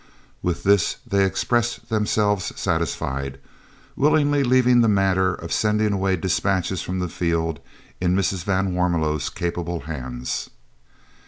With this they expressed themselves satisfied, willingly leaving the matter of sending away dispatches from the field in Mrs. van Warmelo's capable hands.